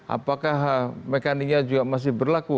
apakah mekaninya juga masih berlaku